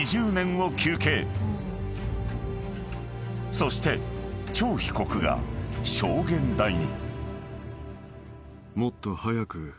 ［そして張被告が証言台に］